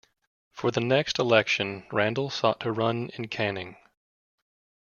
For the next election, Randall sought to run in Canning.